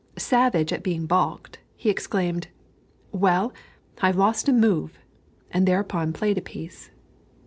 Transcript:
Savage at being balked, he exclaimed "Well, I've lost a move," and thereupon played a piece.